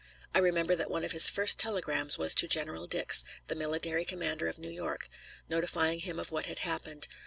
I remember that one of his first telegrams was to General Dix, the military commander of New York, notifying him of what had happened.